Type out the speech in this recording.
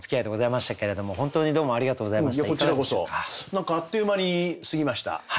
何かあっという間に過ぎました。